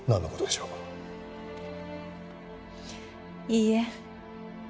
いいえ。